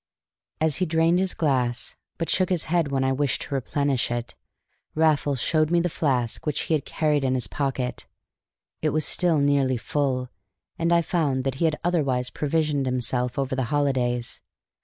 As he drained his glass, but shook his head when I wished to replenish it, Raffles showed me the flask which he had carried in his pocket: it was still nearly full; and I found that he had otherwise provisioned himself over the holidays.